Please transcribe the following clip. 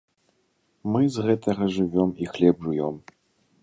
Мы з гэтага жывём і хлеб жуём.